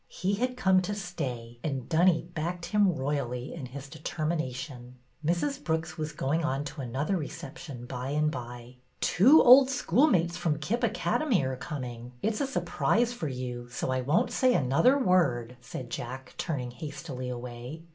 He had come to stay, and Dunny backed him royally in his determination. Mrs. Brooks was going on to another reception by and by. THE RECEPTION 319 Two old schoolmates from Kip Academy are coming. It 's a surprise for you, so I won't say another word," said Jack, turning hastily away.